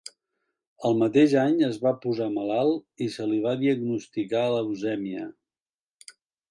El mateix any es va posar malalt i se li va diagnosticar leucèmia.